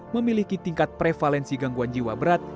memiliki tingkat prevalensi gangguan jiwa berat